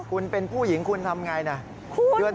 คุณเป็นผู้หญิงคุณทำอย่างไร